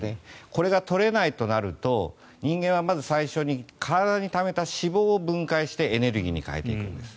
これが取れないとなると人間はまず最初に体にためた脂肪を分解してエネルギーに変えていくんです。